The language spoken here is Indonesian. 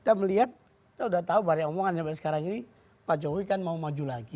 kita melihat kita sudah tahu banyak omongan sampai sekarang ini pak jokowi kan mau maju lagi